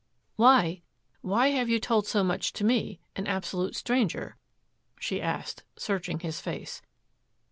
"Why why have you told so much to me, an absolute stranger?" she asked, searching his face.